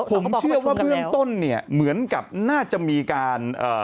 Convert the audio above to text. ผมเชื่อว่าเบื้องต้นเนี่ยเหมือนกับน่าจะมีการเอ่อ